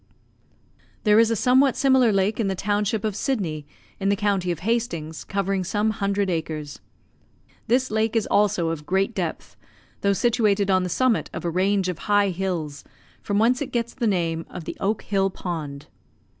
There is a somewhat similar lake in the township of Sidney in the county of Hastings, covering some hundred acres. This lake is also of great depth, though situated on the summit of a range of high hills, from whence it gets the name of the "Oak Hill Pond."